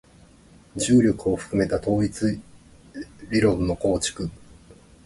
重力をも含めた統一理論の構築